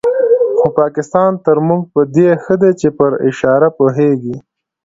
خو پاکستان تر موږ په دې ښه دی چې پر اشاره پوهېږي.